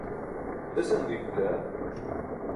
besan guyik bila